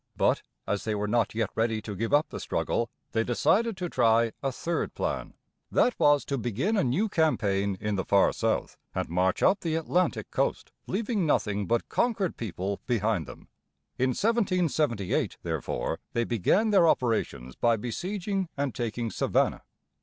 But as they were not yet ready to give up the struggle, they decided to try a third plan. That was to begin a new campaign in the far south, and march up the Atlantic coast, leaving nothing but conquered people behind them. In 1778, therefore, they began their operations by besieging and taking Savannah.